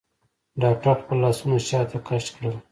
ډاکتر خپل لاسونه شاته کښ کړل.